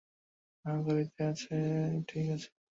হ্যা, গাড়িতে একটা আছে ঠিক আছে।